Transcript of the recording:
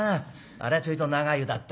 あれはちょいと長湯だったね。